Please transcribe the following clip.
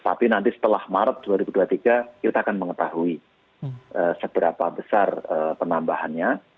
tapi nanti setelah maret dua ribu dua puluh tiga kita akan mengetahui seberapa besar penambahannya